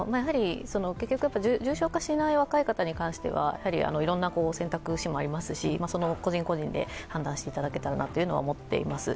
重症化しない若い方に関してはいろんな選択肢もありますし個人個人で判断していただけたらなというのは思っています。